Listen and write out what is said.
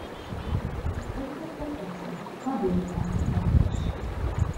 Az ökör csak ökör, ha Bécsbe hajtják is.